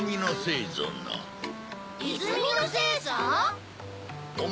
いずみのせいさん？